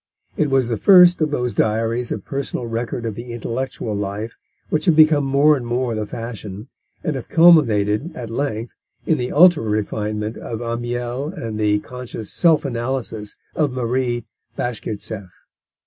It was the first of those diaries of personal record of the intellectual life, which have become more and more the fashion and have culminated at length in the ultra refinement of Amiel and the conscious self analysis of Marie Bashkirtseff.